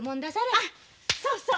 あっそうそう。